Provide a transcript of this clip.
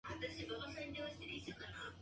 父は天才である